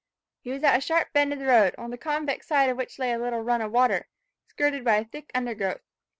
He was at a sharp bend of the road, on the convex side of which lay a little run of water, skirted by a thick undergrowth.